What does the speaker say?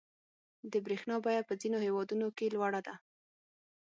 • د برېښنا بیه په ځینو هېوادونو کې لوړه ده.